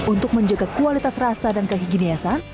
untuk menjaga kualitas rasa dan kehiginiasan